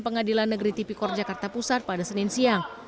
pengadilan negeri tipikor jakarta pusat pada senin siang